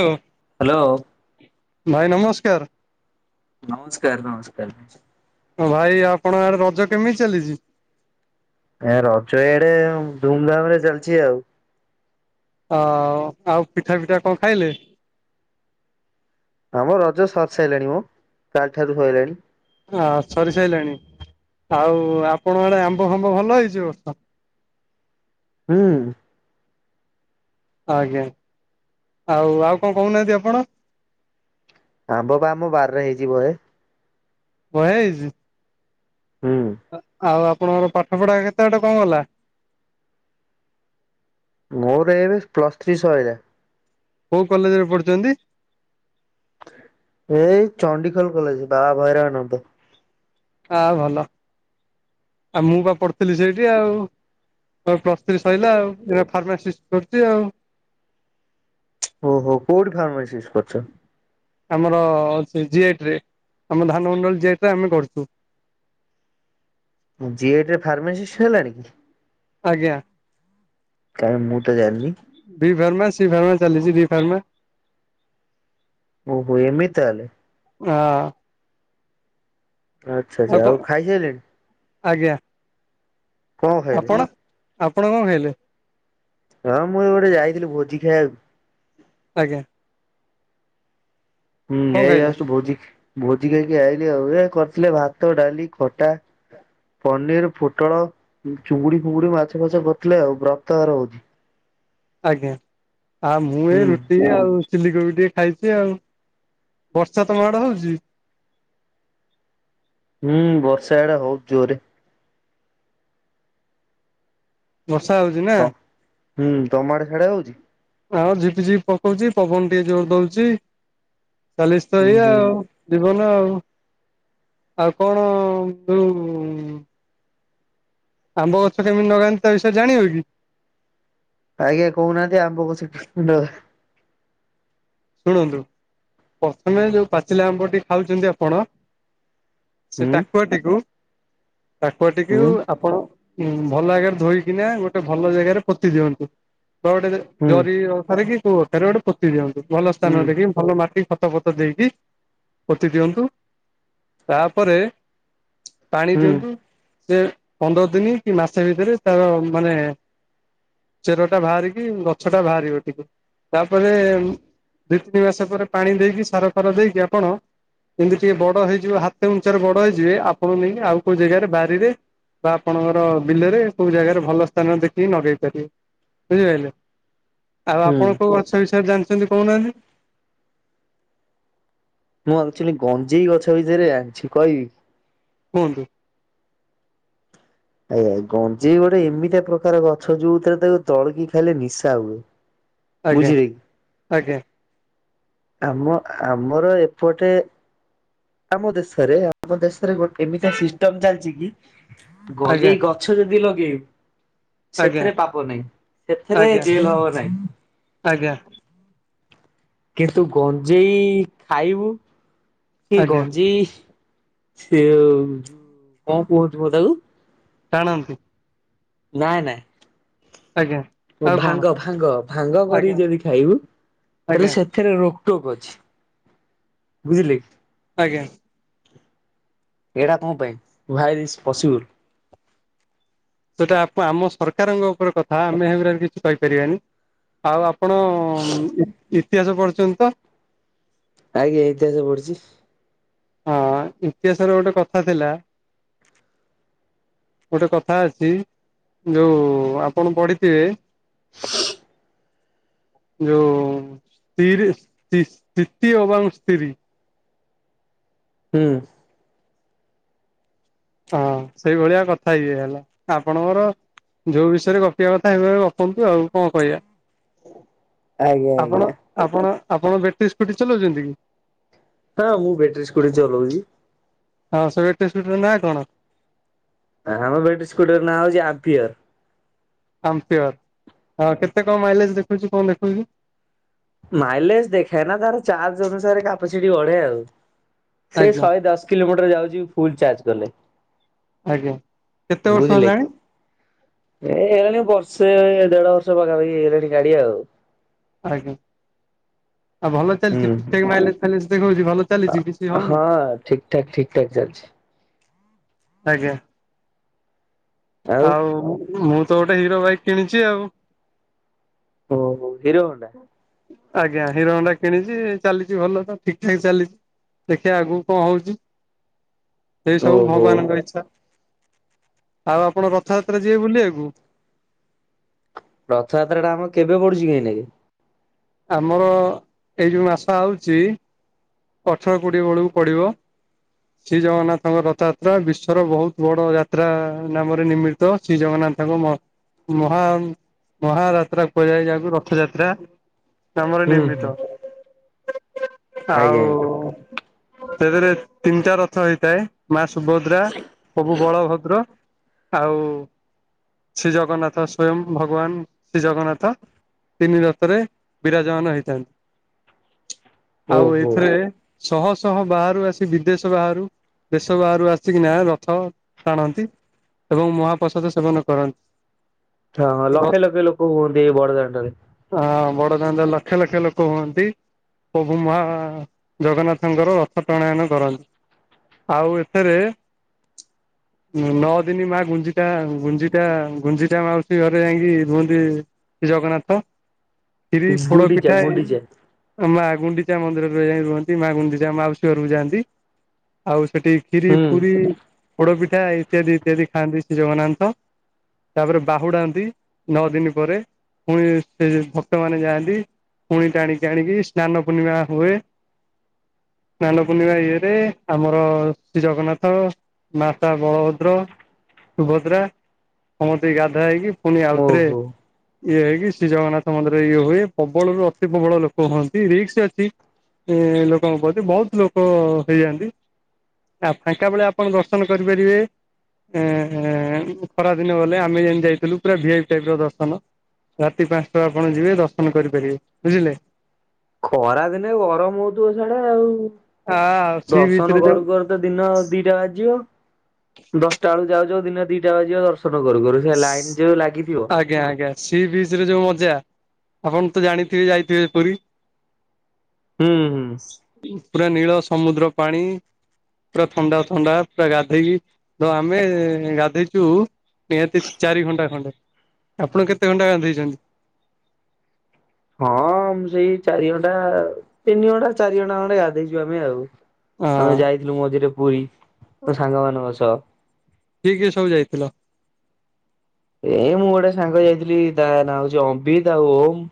ଓ। Hello. ଭାଇ ନମସ୍କାର। ନମସ୍କାର ନମସ୍କାର। ହଁ ଭାଇ ଆପଣଙ୍କ ଆଡେ ରଜ କେମିତି ଚାଲିଚି? ଏ ରଜ ଇଆଡେ ଧୁମଧାମ ରେ ଚାଲିଚି ଆଉ। ଅ ଆଉ ପିଠା ପିଠା କଣ ଖାଇଲେ? ଆମ ରଜ ସରି ସାରିଲାଣି ମ କାଲି ଠାରୁ ସଇଲାଣି। ଆ ସାରିଲାଣି ଆଉ ଆପଣଙ୍କ ଆଡେ ଆମ୍ବ ଫାମ୍ବ ଭଲ ହେଇଛି ଏ ବର୍ଷ? ହୁଁ। ଆଜ୍ଞା ଆଉ ଆଉ କଣ କୋହୁ ନାହାଁନ୍ତି ଆପଣ? ଆମ୍ବ ପା ଆମ ବାରିରେ ହୋଇଚି ବହେ। ବହେ ହେଇଚି। ହୁଁ। ଆ ଆଉ ଆପଣଙ୍କର ପାଠପଢା କେତେ ବାଟ କଣ ଗଲା? ମୋର ଏବେ ପ୍ଲସ୍ ଥ୍ରୀ ସଇଲା। କୋଉ କଲେଜରେ ପଢ଼ୁଚନ୍ତି? ଏଇ ଚଣ୍ଡିଖୋଲ କଲେଜ ବାହା ଭୈରବାନନ୍ଦ। ଆ ଭଲ ଆଉ ମୁଁ ବା ପଢ଼ୁଥୁଲି ସେଇଠି ଆଉ। ମୋ ପ୍ଲସ୍ ଥ୍ରୀ ସରିଲା ଆଉ ଏବେ ଫାର୍ମାସିଷ୍ଟ କରୁଚି ଆଉ। ଓହୋ କୋଉଠି ଫାର୍ମାସିଷ୍ଟ କରିଛ? ଆମର ଜି-ଜିଏଟରେ ଆମ ଧାନମଣ୍ଡଳି ଜିଆଇଟରେ ଆମେ କରୁଚୁ। ଜିଏଟରେ ଫାର୍ମାସିଷ୍ଟ ହେଲାଣି କି? ଆଜ୍ଞା। କାଇଁ ମୁଁ ତ ଜାଣନି। ବି ଫାର୍ମା ସି ଫାର୍ମା ଚାଲିଚି ବିି ଫାର୍ମା। ଓହୋ ଏମିତି ତାହେଲେ। ଅ। ଆଚ୍ଛା ଆଚ୍ଛା ଆଉ ଖାଇସାଇଲେଣି? ଆଜ୍ଞା। କଣ ଖାଇଲେ ଆପଣ ଆପଣ କଣ ଖାଇଲେ? ହଁ ମୁଁ ଏ ଗୋଟେ ଯାଇଥିଲି ଭୋଜି ଖାଇବାକୁ। ଆଜ୍ଞା। ହୁଁ କଣ ଏଇ ପା ଖାଇଲେ ଆସଚୁ ଆଉ ଭୋଜି ଭୋଜି ଖାଇକି ଆଇଲି ଆଉ ଏ କରିଥିଲେ ଭାତ, ଡାଲି, ଖଟା ପନିର, ପୋଟଳ, ଉଁ ଚୁଙ୍ଗୁଡି, ଫୁଗୁଡି, ମାଛ, ଫାଛ କରିଥିଲେ ଆଉ ବ୍ରତଘର ଭୋଜି। ଆଜ୍ଞା ଆ ମୁଁ ଏ ହୁଁ ରୁ ଟି ଆଉ ଚିଲି କୋବି ଟିକେ ଖାଇଚି ଆଉ ବର୍ଷା ତମ ଆଡ଼େ ହୋଉଚି? ହୁଁ ବର୍ଷା ୟାଡେ ହୋଉଚି ଜୋରେ। ବର୍ଷା ହୋଉଚି ନା। ତ ହୁଁ ତମ ଆଡେ ସିଆଡେ ହଉଛି? ଆଉ ଝିପି ଝିପି ପକୋଉଚି ପବନ ଟିକେ ଜୋରେ ଦୋଉଚି ଚାଲିଚି ତ ହୁଁ ଏଇଆ ହୁଁ ଆଉ ଜୀବନ ଆଉ ଆଉ କଣ ଯୋଉ ଆମ୍ବ ଗଛ କେମିତି ଲଗାନ୍ତି ତା ବିଷୟରେ ଜାଣିବ କି? ଆଜ୍ଞା କୋହୁନାହାନ୍ତି ଆମ୍ବ ଗଛ କେମିତି ଲଗା ଶୁଣନ୍ତୁ ପ୍ରଥମେ ଯୋଉ ପାଚିଲା ଆମ୍ବ ଟି ଖାଉଚନ୍ତି ଆପଣ ସେ ହୁଁ ଟାକୁଆଟିକୁ ଟାକୁଆଟିକୁ ହୁଁ ଆପଣ ଉଁ ଭଲ ଜାଗାରେ ଧୋଇକିନା ଗୋଟେ ଭଲ ଜେଗାରେ ପୋତି ଦିଅନ୍ତୁ ବା ଗୋଟେ ହୁଁ ଜରି ଅଖାରେ କି କୋଉ ଅଖାରେ ଗୋଟେ ପୋତି ଦିଅନ୍ତୁ ଭଲ ହୁଁ ସ୍ଥାନ ଦେଖି ଭଲ ମାଟି ଖତ ଫତ ଦେଇକି ପୋତି ଦିଅନ୍ତୁ ତାପରେ ପାଣି ଦିଅନ୍ତୁ ହୁଁ ସେ ପନ୍ଦର ଦିନି କି ମାସ ଭିତରେ ତାର ମାନେ ଚେରଟା ବାହାରିକି ଗଛଟା ବାହାରିବ ଟିକେ ତାପରେ ଦିଇ ତିନି ମାସ ପରେ ପାଣି ଦେଇକି ସାର ଫାର ଦେଇକି ଆପଣ ଯେମିତି ଟିକେ ବଡ ହେଇଯିବ ହାତେ ଉଞ୍ଚାରେ ବଡ ହେଇଯିବେ ଆପଣ ନେଇ କି ଆଉ କୋଉ ଜେଗାରେ ବାରିରେ ବା ଆପଣଙ୍କର ବିଲରେ କୋଉ ଜାଗାରେ ଭଲ ସ୍ଥାନ ଦେଖିକି ନଗେଇ ପାରିବେ। ବୁଝିପାଇଲେ ଆଉ ଆପଣ କୋଉ ଗଛ ବିଷୟରେ ଜାଣିଛନ୍ତି କୋହୁନାହାନ୍ତି। ମୁଁ ଆକ୍ଚୁଆଲି ଗଞ୍ଜେଇ ଗଛ ବିଷୟରେ ଜାଣିଛି କହିବି। କୁହନ୍ତୁ। ଆଜ୍ଞା ଗଞ୍ଜେଇ ଗୋଟେ ଏମିତିଆ ପ୍ରକାର ଗଛ ଯୋଉଥିରେ ତାକୁ ଦଳିକି ଖାଇଲେ ନିଶା ହୁଏ। ଆଜ୍ଞା ଆଜ୍ଞା ବୁଝିଲେକି ଆମ ଆମର ଏପଟେ ଆମ ଦେଶରେ ଆମ ଦେଶରେ ଗୋଟେ ଏମିତି ସିଷ୍ଟମ ଚାଲଚି କି ଆଜ୍ଞା। ଗଞ୍ଜେଇ ଗଛ ଯଦି ଲଗେଇବ ଆଜ୍ଞା ସେଥିରେ ପାପ ନାହିଁ ସେଥିରେ ଆଜ୍ଞା ଜେଲ ହବ ନାହିଁ। ଆଜ୍ଞା। କିନ୍ତୁ ଗଞ୍ଜେଇ ଖାଇବୁ କି ଆଜ୍ଞା ଗଞ୍ଜେଇ ସେ ଯୋଉ କଣ କୁହନ୍ତି ମ ତାକୁ ଟାଣନ୍ତି ନାଇଁ ନାଇଁ ଆଜ୍ଞା। ଆଉ କଣ? ଭାଙ୍ଗ ଭାଙ୍ଗ ଭାଙ୍ଗ କରି ଆଜ୍ଞା ଯଦି ଖାଇବୁ ଆଜ୍ଞା ତାହେଲେ ସେ ଥିରେ ରୋକଟୋକ ଅଛି ବୁଝିଲେ ଆଜ୍ଞା। ଏଡା କଣ ପାଇଁ ହୁଏର୍ ଇଜ୍ ପସିବୁଲ? ସେଟା ଆପ ଆମ ସରକାରଙ୍କ ଉପରେ କଥା ଆମେ ହେଇଗୁରା କିଛି କହିପାରିବାନି। ଆଉ ଆପଣ ଇ ଇତିହାସ ପଢ଼ିଛନ୍ତି ତ? ଆଜ୍ଞା ଇତିହାସ ପଢିଛି। ହଁ ଇତିହାସରେ ଗୋଟେ କଥା ଥିଲା ଗୋଟେ କଥା ଅଛି ଯୋଉ ଆପଣ ପଢିଥିବେ ହଁ [unintelligible] ଯୋଉ ସ୍ ସ୍ତିରି ସ୍ତିଶ୍ ସ୍ତିତି ଏବଂ ସ୍ତ୍ରୀ ହୁଁ। ହଁ ସେଇଭଳିଆ କଥା ଇଏ ହେଲା ଆପଣଙ୍କର ଯୋଉ ବିଷୟରେ ଗପିବା କଥା ସେଇଭଳି ଗପନ୍ତୁ ଆଉ କଣ କହିଆ। ଆଞା ଆଜ୍ଞା। ଆପଣ ଆପଣ ବେଟ୍ରି ସ୍କୁଟି ଚଲଉଛନ୍ତି କି? ହଁ ମୁଁ ବେଟ୍ରି ସ୍କୁଟି ଚଲଉଛି। ହଁ ସେ ବେଟ୍ରି ସ୍କୁଟି ର ନାଁ କଣ? ଆମ ବେଟ୍ରି ସ୍କୁଟିର ନାଁ ହଉଛି ଆମ୍ପିଅର। ଆମ୍ପିଅର, ଆଉ କେତେ କଣ ମାଇଲେଜ ଦେଖଉଛି କଣ ଦେଖଉଛି? ମାଇଲେଜ ଦେଖାଏନା ତାର ଚାର୍ଜ ଅନୁସାରେ କାପାସିଟି ବଢେ ଆଉ ସେ ଆଜ୍ଞା ଶହେ ଦଶ କିଲୋମିଟର ଯାଉଛି ଫୁଲ ଚାର୍ଜ କଲେ। ଆଜ୍ଞା, କେତେ ବର୍ଷ ବୁଝିଲେ ହେଲାଣି? ଏ ହେଇଗଲାଣି ବର୍ଷେ ଦେଢ ବର୍ଷ ପାଖାପାଖି ହେଇଗଲାଣି ଗାଡି ଆଉ। ଆଜ୍ଞା ଆଉ ଭଲ ଚାଲିଛି ହୁଁ ଠିକ ହୁଁ। ଠାକ ମାଇଲେଜ ଫାଇଲେଜ ଦେଖଉଛି ଭଲ ଚାଲିଛି କିଛି ହଉନି ହଁ ଠିକ ଠାକ ଠିକ ଠାକ ଚାଲିଛି। ଆଜ୍ଞା ଆଉ ମୁଁ ତ ଗୋଟେ ହିରୋ ବାଇକ୍ କିଣିଛି ଆଉ। ଓହୋ ହିରୋହୁଣ୍ଡା? ଆଜ୍ଞା ହିରୋହୁଣ୍ଡା କିଣିଛି ଚାଲିଛି ଭଲ ଠିକ ଠାକ ଚାଲିଛି। ଦେଖିବା ଆଗକୁ କଣ ହଉଛି ଏଇ ସବୁ ଓହୋ ଭଗବାନଙ୍କ ଇଚ୍ଛା। ଆଉ ଆପଣ ରଥଯାତ୍ରା ଯିବେ ବୁଲିବାକୁ? ରଥଯାତ୍ରା ଟା ଆମର କେବେ ପଡୁଛି କି ଏଇନାକେ? ଆମର ଏଇ ଯୋଉ ମାସ ଆଉଛି ଅଠର କୋଡିଏ ବେଳକୁ ପଡିବ। ଶ୍ରୀ ଜଗନ୍ନାଥଙ୍କ ରଥଯାତ୍ରା ବିଶ୍ୱର ବହୁତ ବଡ ଯାତ୍ରା ନାମରେ ନିମି ତ ଶ୍ରୀ ଜଗନ୍ନାଥଙ୍କ ମ ମହା ମହାଯାତ୍ରା କୁହାଯାଏ ଯାହାକୁ ରଥଯାତ୍ରା ନାମରେ ହୁଁ ହୁଁ। ନିର୍ମିତ। ଆଜ୍ଞା ଆଉ ଆଜ୍ଞା ସେଥେରେ ତିନିଟା ରଥ ହେଇଥାଏ। ମା ସୁଭଦ୍ରା, ପ୍ରଭୁ ବଳଭଦ୍ର ଆଉ ଶ୍ରୀ ଜଗନ୍ନାଥ ସ୍ଵୟଂ ଭଗବାନ ଶ୍ରୀ ଜଗନ୍ନାଥ ତିନି ରଥରେ ବିରାଜମାନ ହେଇଥାନ୍ତି। ଆଉ ଓହୋ ହଁ ଏଇଥିରେ ଶହ ଶହ ବାହାରୁ ଆସି ବିଦେଶ ବାହାରୁ ଦେଶ ବାହାରୁ ଆସିକି ନା ରଥ ଟାଣନ୍ତି। ଏବଂ ମହାପ୍ରସାଦ ସେବନ କରନ୍ତି। ହଁ ଲକ୍ଷେ ଲକ୍ଷେ ଲୋକ ହୁଅନ୍ତି ଏଇ ବଡଦାଣ୍ଡ ରେ। ହଁ ବଡଦାଣ୍ଡରେ ଲକ୍ଷ ଲକ୍ଷ ଲୋକ ହୁଅନ୍ତି। [unintelligible] ମା ଜଗନ୍ନାଥଙ୍କର ରଥ ଟଣାୟନ କରନ୍ତି। ଆଉ ଏଥେରେ ନଅ ଦିନି ମା ଗୁଞ୍ଜିଟା ଗୁଞ୍ଜିଟା ଗୁଞ୍ଜିଟା ମାଉସୀ ଘରେ ଯାଇକି ରୁହନ୍ତି। ଶ୍ରୀ ଜଗନ୍ନାଥ କ୍ଷୀରି, ପୋଡ ଗୁଣ୍ଡିଚା ପିଠା ଏଇ ଗୁଣ୍ଡିଚା। ମା ଗୁଣ୍ଡିଚା ମନ୍ଦିରରେ ଯାଇ ରୁହନ୍ତି ମା ଗୁଣ୍ଡିଚା ମାଉସୀ ଘରକୁ ଯାଆନ୍ତି ଆଉ ସେଠି ଖିରି, ହୁଁ ପୁରୀ, ପୋଡ ପିଠା ଇତ୍ୟାଦି ଇତ୍ୟାଦି ଖାଆନ୍ତି ଶ୍ରୀ ଜଗନ୍ନାଥ। ତାପରେ ବାହୁଡାନ୍ତି ନଅ ଦିନ ପରେ ପୁଣି ସେ ଭକ୍ତମାନେ ଯାଆନ୍ତି। ପୁଣି ଟାଣିକି ଆଣିକି ସ୍ନାନ ପୂର୍ଣ୍ଣିମା ହୁଏ। ସ୍ନାନ ପୂର୍ଣ୍ଣିମା ଇଏରେ ଆମର ଶ୍ରୀ ଜଗନ୍ନାଥ ଭ୍ରାତା ବଳଭଦ୍ର, ସୁଭଦ୍ରା ସମସ୍ତେ ଗାଧା ହେଇକି ପୁଣି ଆଉଥରେ ଓହୋ ଇଏ ହେଇକି ଶ୍ରୀଜଗନ୍ନାଥ ମନ୍ଦିର ଇଏ ହୁଏ ପ୍ରବଳରୁ ଅତି ପ୍ରବଳ ଲୋକ ହୁଅନ୍ତି ରିକ୍ସ ଅଛି ଏ ଲୋକଙ୍କ ପ୍ରତି ବହୁତ ଲୋକ ହେଇଯାଆନ୍ତି। ଆ ଫାଙ୍କା ବେଳେ ଆପଣ ଦର୍ଶନ କରିପାରିବେ। ଏ ଏ ଖରାଦିନ ଗଲେ ଆମେ ଯେ ଯାଇଥିଲୁ ପୁରା ଭି ଆଇ ପି ଟାଇପ ର ଦର୍ଶନ। ରାତି ପାଞ୍ଚଟା ଆପଣ ଯିବେ ଦର୍ଶନ କରିପାରିବେ ବୁଝିଲେ। ଖରା ଦିନେ ଗରମ ହଉଥିବ ସିଆଡ଼େ ଆଉ। ଆ ସୀ ବୀଚ ଦର୍ଶନ ରେ କରୁ ଯୋଉ କରୁ ତ ଦିନ ଦିଟା ବାଜିବ ଦଶଟା ବେଳକୁ ଯାଉ ଯାଉ ଦିନ ଦିଟା ବାଜିବ ଦର୍ଶନ କରୁ କରୁ। ସେ ଲାଇନ ଯୋଉ ଲାଗିଥିବ। ଆଜ୍ଞା ଆଜ୍ଞା ସି ବିଚ ରେ ଯୋଉ ମଜା ଆପଣ ତ ଜାଣିଥିବେ ଯାଇଥିବେ ପୁରୀ। ହୁଁ ହୁଁ। ପୁରା ନୀଳ ସମୁଦ୍ର ପାଣି। ପୁରା ଥଣ୍ଡା ଥଣ୍ଡା ପୁରା ଗାଧେଇକି ତ ଆମେ ଗାଧେଇଛୁ ନିହାତି ଚାରି ଘଣ୍ଟା ଖଣ୍ଡେ ଆପଣ କେତେ ଘଣ୍ଟା ଗାଧେଇଛନ୍ତି? ହଁ ସେଇ ଚାରି ଘଣ୍ଟା ତିନି ଘଣ୍ଟା ଚାରି ଘଣ୍ଟା ଖଣ୍ଡେ ଗାଧେଇଚୁ ଆମେ ଆଉ। ଆମେ ହଁ ଯାଇଥିଲୁ ମଝିରେ ପୁରୀ ତ ସାଙ୍ଗ ମାନଙ୍କ ସହ। କିଏ କିଏ ସବୁ ଯାଇଥିଲ? ଏଇ ମୁଁ ଗୋଟେ ସାଙ୍ଗ ଯାଇଥିଲି ତା ନାଁ ହଉଛି ଆମ୍ବିତ ଆଉ ଓମ୍।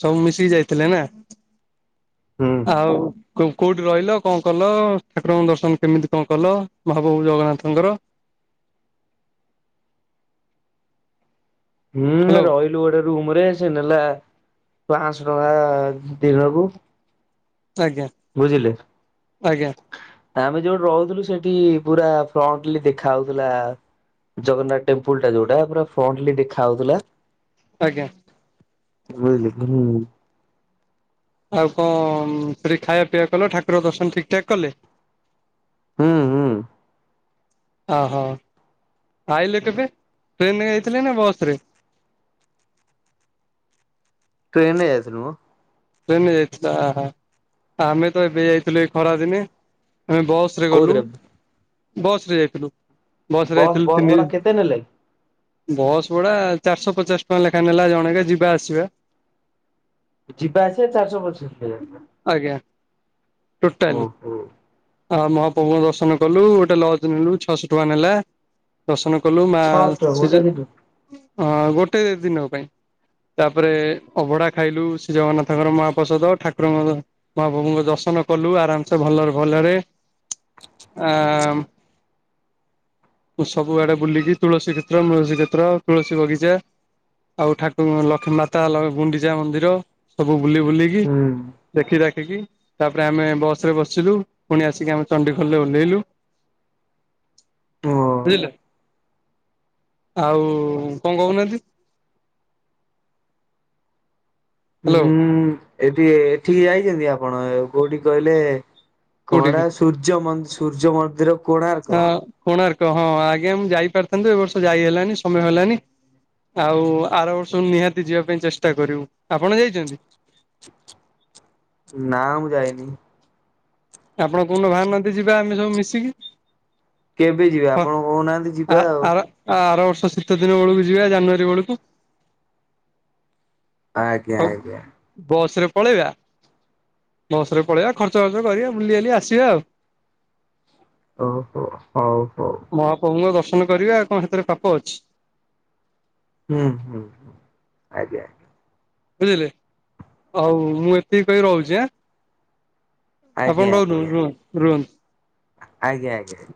ସବୁ ମିଶିକି ଯାଇଥିଲେ ନା ହୁଁ ଆଉ। କୋ କୋଉଠି ରହିଲ କଣ କଲ ଠାକୁରଙ୍କ ଦର୍ଶନ କେମିତି କଣ କଲ ମହାପ୍ରଭୁ ଜଗନ୍ନାଥଙ୍କର। ହୁଁ ହ୍ୟାଲୋ ରହିଲୁ ଗୋଟେ ରୁମ ରେ ସେ ନେଲା ପାଆଁସ ଟଙ୍କା ଦିନକୁ। ଆଜ୍ଞା ବୁଝିଲେ ଆଜ୍ଞା ଆମେ ଯୋଉଠି ରହୁଥିଲୁ ସେଠି ପୁରା ଫ୍ରଣ୍ଟଲି ଦେଖା ହଉଥିଲା ଜଗନ୍ନାଥ ଟେମ୍ପୁଲ ଟା ଯୋଉଟା ପୁରା ଫ୍ରଣ୍ଟଲି ଦେଖା ହଉଥିଲା। ଆଜ୍ଞା ରହିଲି ଘୁ। ଆଉ କଣ ସେଠି ଖାଇବା ପିଇବା କଲ ଠାକୁର ଦର୍ଶନ ଠିକ୍ ଠାକ୍ କଲେ। ହୁଁ ହୁଁ ଓହୋ ଆଇଲେ କେବେ? ଟ୍ରେନରେ ଯାଇଥିଲେ ନା ବସରେ? ଟ୍ରେନ ରେ ଯାଇଥିଲୁ ମ। ଟ୍ରେନ ଯାଇଥିଲା ଆହା ଆମେ ତ ଏବେ ଯାଇଥିଲୁ ଏ ଖରା ଦିନେ। ଆମେ ବସ୍ ବସରେ ଗଲୁ ବସ ରେ ଯାଇଥିଲୁ ବସ ରେ ବସ୍ ଯାଇଥିଲୁ ବସ୍ ତିନି ଭଡା କେତେ ନେଲେ ବସ୍ ଭଡା ଚାରିଶହ ପଚାଶ ଟଙ୍କା ଲେଖା ନେଲା ଜଣେକା ଯିବା ଆସିବା। ଯିବା ଆସିବା ଚାରିଶହ ପଚାଶେ। ଆଜ୍ଞା ଟୋଟାଲି। ଓହୋ। ଆଉ ମହାପ୍ରଭୁଙ୍କ ଦର୍ଶନ କଲୁ, ଗୋଟେ ଲଜ୍ ନେଲୁ ଛଅଶହ ଟଙ୍କା ନେଲା। ଦର୍ଶନ କଲୁ ମା ଛଅଶହ ଟଙ୍କା ଶ ଗୋଟା କି ଦୁ ହଁ ଗୋଟେ ଦିନକ ପାଇଁ, ତାପରେ ଅଭଡା ଖାଇଲୁ ଶ୍ରୀ ଜଗନ୍ନାଥ ତାପରେ ମହାପ୍ରସାଦ, ଠାକୁରଙ୍କ ମହାପ୍ରଭୁଙ୍କ ଦର୍ଶନ କଲୁ ଆରାମସେ ଭଲରେ ଭଲରେ। ଆଁ ସବୁଆଡେ ବୁଲିକି ତୁଳସୀ କ୍ଷେତ୍ର, ତୁଳସୀ କ୍ଷେତ୍ର, ତୁଳସୀ ବଗିଚା ଆଉ ଠାକୁ ଲକ୍ଷ୍ମୀ ମାତା, ଗୁଣ୍ଡିଚା ମନ୍ଦିର, ସବୁ ବୁଲି ବୁଲିକି ହୁଁ ଦେଖି ଦାଖିକି ତାପରେ ଆମେ ବସ ରେ ବସିଲୁ, ପୁଣି ଆସିକି ଆମେ ଚଣ୍ଡିଖୋଲରେ ଓହ୍ଲେଇଲୁ। ଓ ବୁଝିଲେ, ଆଉ କଣ କହୁନାହାନ୍ତି? ହ୍ୟାଲୋ ହୁଁ ଏଠି ଏଠିକି ଯାଇଛନ୍ତି ଆପଣ, କୋଉଠିକି କହିଲେ? କୋଣା କୋଉଠିକି ସୂର୍ଯ୍ୟ ମନ୍ ସୂର୍ଯ୍ୟ ମନ୍ଦିର? କୋଣାର୍କ ହଁ କୋଣାର୍କ ହଁ ଆଜ୍ଞା ମୁଁ ଯାଇ ପାରଥାନ୍ତି, ଏ ବର୍ଷ ଯାଇ ହେଲାନି ସମୟ ହେଲାନି। ଆଉ ଆର ବର୍ଷକୁ ନିହାତି ଯିବା ପାଇଁ ଚେଷ୍ଟା କରିବୁ, ଆପଣ ଯାଇଚନ୍ତି? ନାଁ ମୁଁ ଯାଇନି। ଆପଣ କୋଉ ଦିନ ବାହାରୁନାହାନ୍ତି ଯିବା ଆମେ ସବୁ ମିଶିକି। କେବେ ଯିବା ହଁ ଆପଣ କହୁନାହାନ୍ତି? ଯିବା ଆଉ ଆର ଆ ଆର ବର୍ଷ ଶୀତ ଦିନ ବେଳକୁ ଯିବା ଜାନୁଆରୀ ବେଳକୁ। ଆଜ୍ଞା ସବୁ ଆଜ୍ଞା। ବସ ରେ ପଳେଇବା? ବସରେ ପଳେଇବା, ଖର୍ଚ୍ଚ ବାର୍ଚ କରିବା ବୁଲି ବାଲି ଆସିବା ଆଉ। ଓ ହୋ ହଉ ହଉ। ପ୍ରଭୁଙ୍କ ଦର୍ଶନ କରିବା, କଣ ସେଥିରେ ପାପ ଅଛି? ହୁଁ- ହୁଁ ଆଜ୍ଞା ଆଜ୍ଞା। ବୁଝିଲେ, ଆଉ ମୁଁ ଏତିକି କହି ରହୁଛି ଆଁ। ଆପଣ ଆଜ୍ଞା ରହୁ ଆଜ୍ଞା ରୁହନ୍ତୁ। ଆଜ୍ଞା ଆଜ୍ଞା।